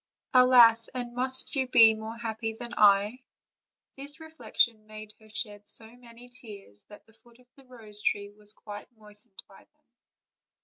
Alas! and must you be more happy than I?" This reflection made her shed so many tears that the foot of the reee tree waa quito OLD, OLD FAIRY TALES. 349 moistened by them.